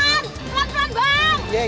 ini cuma jangka lalu secret